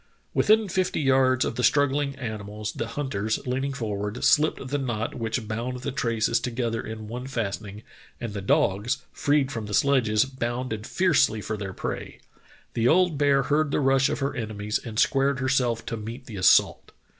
"Within fifty yards of the strugghng animals the hunters, leaning forward, shpped the knot which bound the traces together in one fastening, and the dogs, freed from the sledges, bounded fiercely for their prey. The old bear heard the rush of her enemies and squared herself to meet the assault.